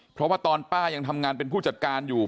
เพราะว่าตอนป้ายังทำงานเป็นผู้จัดการอยู่